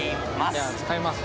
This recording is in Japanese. じゃあ使います。